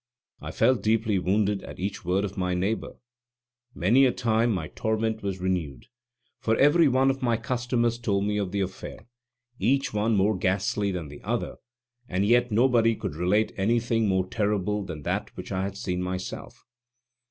I felt deeply wounded at each word of my neighbor. Many a time my torment was renewed, for every one of my customers told me of the affair, each one more ghastly than the other, and yet nobody could relate anything more terrible than that which I had seen myself.